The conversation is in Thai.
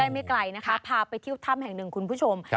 ไม่ไกลนะคะพาไปเที่ยวถ้ำแห่งหนึ่งคุณผู้ชม